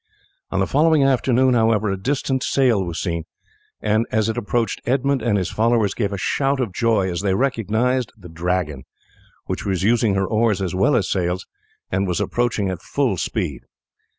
On the following afternoon, however, a distant sail was seen, and as it approached Edmund and his followers gave a shout of joy as they recognized the Dragon, which was using her oars as well as sails and was approaching at full speed.